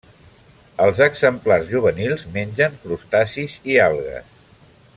Els exemplars juvenils mengen crustacis i algues.